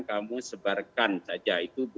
kamu sebarkan saja itu